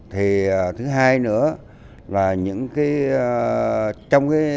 thứ hai nữa là trong cái dịch vụ fp